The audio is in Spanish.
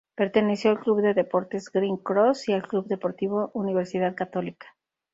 Perteneció al Club de Deportes Green Cross y al Club Deportivo Universidad Católica.